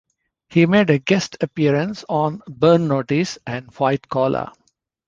He made a guest appearance on "Burn Notice" and "White Collar".